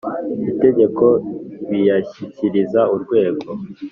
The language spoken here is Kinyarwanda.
Itegeko biyashyikiriza Urwego.